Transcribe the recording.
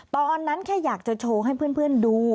ตอนนั้นแค่อยากจะโชว์ให้เพื่อนดู